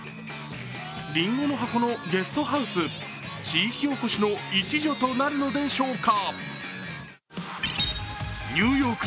りんごの箱のゲストハウス、地域おこしの一助となるのでしょうか。